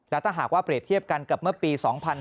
และถ้าหากว่าเปรียบเทียบกันกับเมื่อปี๒๕๕๙